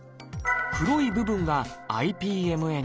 黒い部分がＩＰＭＮ。